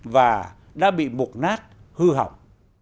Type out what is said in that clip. và đã bị mục nát hư hỏng